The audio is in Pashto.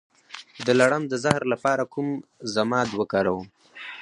د لړم د زهر لپاره کوم ضماد وکاروم؟